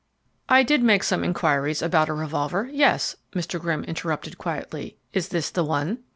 "I did make some inquiries about a revolver, yes," Mr. Grimm interrupted quietly. "Is this the one?"